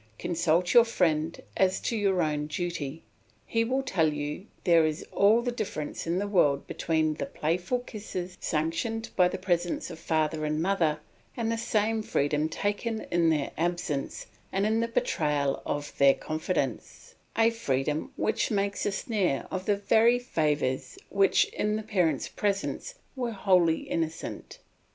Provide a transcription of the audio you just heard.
Consult your friend as to your own duty, he will tell you there is all the difference in the world between the playful kisses sanctioned by the presence of father and mother, and the same freedom taken in their absence and in betrayal of their confidence, a freedom which makes a snare of the very favours which in the parents' presence were wholly innocent.